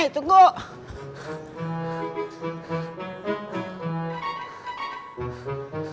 tunggu aku datang